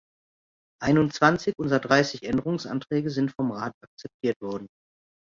Einundzwanzig unserer dreißig Änderungsanträge sind vom Rat akzeptiert worden.